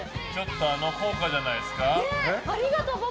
あの効果じゃないですか？